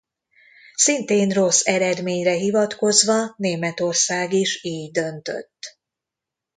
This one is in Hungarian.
Szintén rossz eredményre hivatkozva Németország is így döntött.